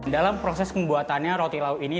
dalam proses pembuatannya roti lau ini tidak terlalu banyak